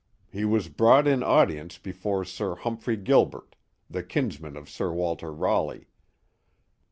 He was brought in audience before Sir Humphrey Gilbert, the kinsman of Sir Walter Raleigh.